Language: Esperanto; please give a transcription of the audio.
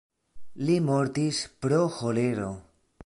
Li mortis pro ĥolero.